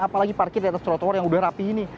apalagi parkir di atas trotoar yang udah rapi ini